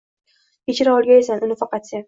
Kechira olgaysan uni faqat sen…